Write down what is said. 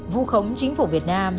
vu khống chính phủ việt nam